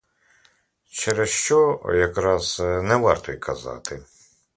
Через що якраз — не варто й казати.